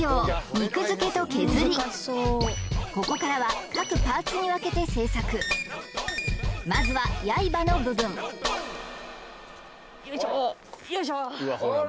肉付けと削りここからは各パーツに分けて製作まずは刃の部分よいしょよいしょ